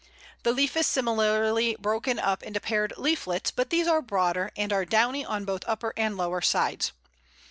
The leaf is similarly broken up into paired leaflets, but these are broader, and are downy on both upper and lower sides.